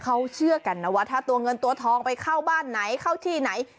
เขาเชื่อกันนะว่าถ้าตัวเงินตัวทองไปเข้าบ้านไหนเข้าที่ไหน